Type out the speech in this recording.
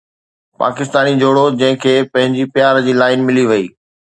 پاڪستاني جوڙو جن کي پنهنجي پيار جي لائن ملي وئي